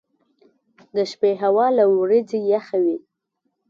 • د شپې هوا له ورځې یخه وي.